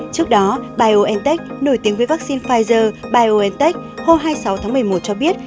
trước đó biontech nổi tiếng với vaccine pfizer biontech hôm hai mươi sáu tháng một mươi một cho biết